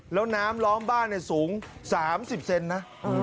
ล้อน้ำล้อมบ้านให้สูง๓๐เปสเซนนะ